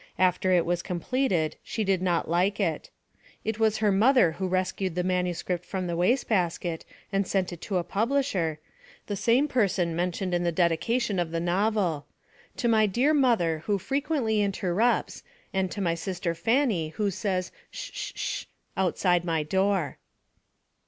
After it was completed she did not like it. It was her mother who rescued the manuscript from the wastebasket and sent it to a publisher, the same person mentioned in the dedication of the novel: "To my dear mother who frequently interrupts and to my sister Fannie who says 'Sh sh sh!' outside my door."